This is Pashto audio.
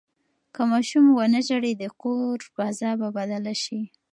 که ماشوم ونه ژاړي، د کور فضا به بدله شي.